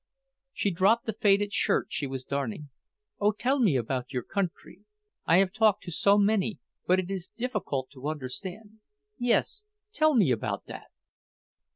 She dropped the faded shirt she was darning. "Oh, tell me about your country! I have talked to so many, but it is difficult to understand. Yes, tell me about that!"